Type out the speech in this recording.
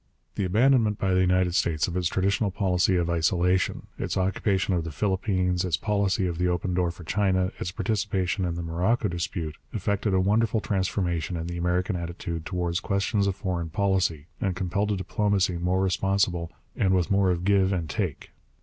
The abandonment by the United States of its traditional policy of isolation, its occupation of the Philippines, its policy of the open door for China, its participation in the Morocco dispute, effected a wonderful transformation in the American attitude towards questions of foreign policy and compelled a diplomacy more responsible and with more of give and take.